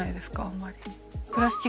あんまり。